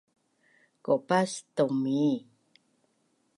kaupas taumii